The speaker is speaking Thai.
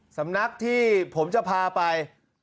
สำนักที่ผมจะพาไป